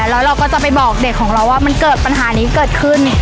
แล้วเราก็จะไปบอกเด็กของเราว่ามันเกิดปัญหานี้เกิดขึ้น